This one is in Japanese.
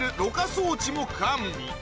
装置も完備